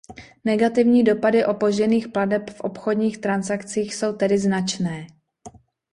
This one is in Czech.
Negativní dopady opožděných plateb v obchodních transakcích jsou tedy značné.